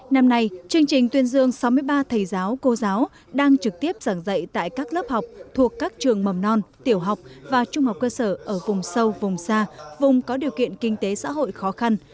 năm nay chương trình tuyên dương sáu mươi ba thầy giáo cô giáo đang trực tiếp giảng dạy tại các lớp học thuộc các trường mầm non tiểu học và trung học cơ sở ở vùng sâu vùng xa vùng có điều kiện kinh tế xã hội khó khăn